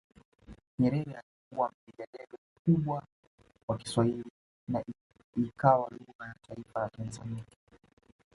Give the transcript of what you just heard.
Nyerere alikuwa mpiga debe mkubwa wa Kiswahili na ikawa lugha ya taifa ya Tanzania